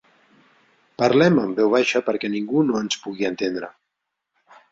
Parlem en veu baixa perquè ningú no ens pugui entendre.